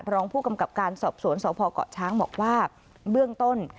รองผู้กำกับการสอบสวนสพเกาะช้างบอกว่าเบื้องต้น